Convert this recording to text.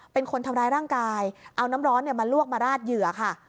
เป็นคนทำร้ายร่างกายเอาน้ำร้อนมาลวกมาราดเหยื่อค่ะ